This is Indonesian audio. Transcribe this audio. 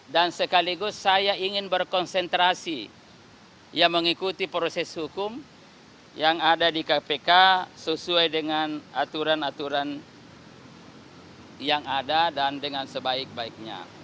dan sekaligus saya ingin berkonsentrasi yang mengikuti proses hukum yang ada di kpk sesuai dengan aturan aturan yang ada dan dengan sebaik baiknya